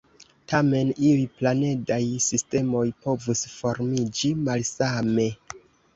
Tamen, iuj planedaj sistemoj povus formiĝi malsame.